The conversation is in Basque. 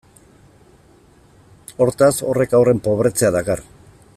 Hortaz, horrek haurren pobretzea dakar.